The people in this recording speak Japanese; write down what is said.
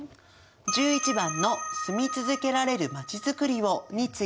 １１番の「住み続けられるまちづくりを」について。